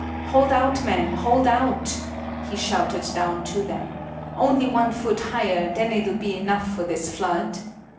"Hold out, men! Hold out!" he shouted down to them. "Only one foot higher; then it'll be enough for this flood."